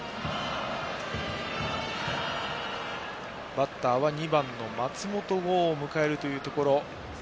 バッターは２番の松本剛を迎えるところ。